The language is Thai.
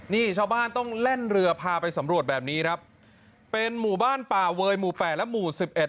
นี่ชาวบ้านต้องแล่นเรือพาไปสำรวจแบบนี้ครับเป็นหมู่บ้านป่าเวยหมู่แปดและหมู่สิบเอ็ด